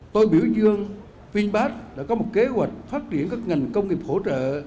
tôi biểu dương vinbast đã có một kế hoạch phát triển các ngành công nghiệp hỗ trợ